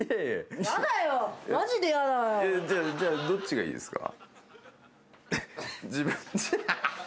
じゃあどっちがいいですか？